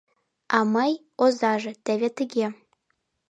А мый, озаже — теве тыге!